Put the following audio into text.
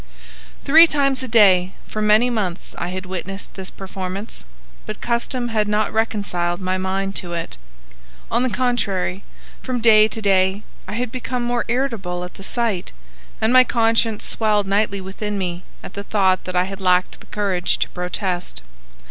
Three times a day for many months I had witnessed this performance, but custom had not reconciled my mind to it. On the contrary, from day to day I had become more irritable at the sight, and my conscience swelled nightly within me at the thought that I had lacked the courage to protest.